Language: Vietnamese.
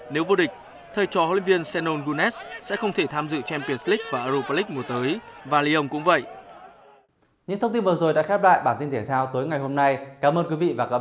nếu vô địch thời trò hlv senon gunes sẽ không thể tham dự champions league và europa league mùa tới